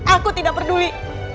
aku tidak peduli